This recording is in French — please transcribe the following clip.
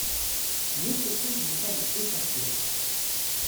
Une autre chose me semble essentielle.